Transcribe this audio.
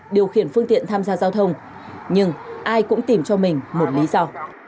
điều khiển phương tiện tham gia giao thông nhưng ai cũng tìm cho mình một lý do